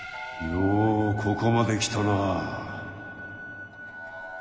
ようここまで来たな。